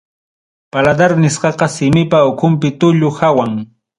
Paladar nisqaqa simipa ukunpi tullu hawam.